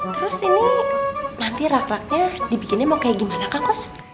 terus ini nanti rak raknya dibikinnya mau kayak gimana kak coach